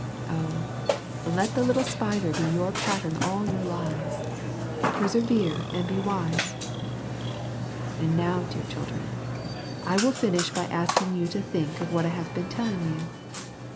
Oh, let the little spider be your pattern all your lives ! Persevere and be wise. And now, dear children, I will finish by asking you to think of what I have been telling you.